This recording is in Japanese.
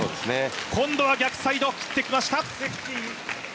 今度は逆サイド、切ってきました。